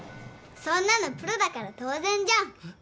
そんなのプロだから当然じゃん。